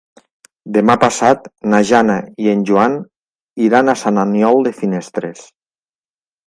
Demà passat na Jana i en Joan iran a Sant Aniol de Finestres.